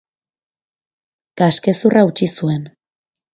Kaskezurra hautsi zuen.